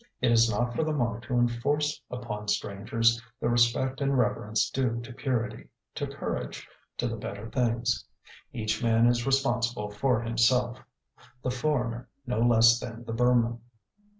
It is not for the monk to enforce upon strangers the respect and reverence due to purity, to courage, to the better things. Each man is responsible for himself, the foreigner no less than the Burman.